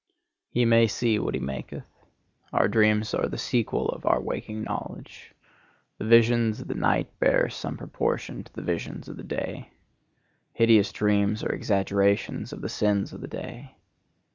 He may see what he maketh. Our dreams are the sequel of our waking knowledge. The visions of the night bear some proportion to the visions of the day. Hideous dreams are exaggerations of the sins of the day.